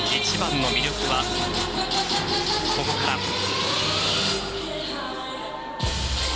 一番の魅力はここから。